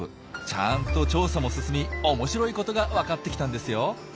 ちゃんと調査も進み面白いことがわかってきたんですよ。